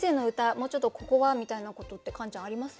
もうちょっと「ここは」みたいなことってカンちゃんあります？